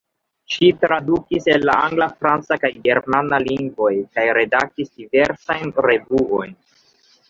Ŝi tradukis el la angla, franca kaj germana lingvoj kaj redaktis diversajn revuojn.